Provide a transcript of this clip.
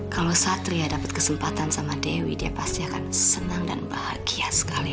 kalau satria dapat kesempatan sama dewi dia pasti akan senang dan bahagia sekali